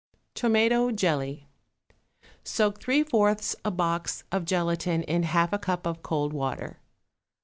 =Tomato Jelly.= Soak three fourths a box of gelatine in half a cup of cold water.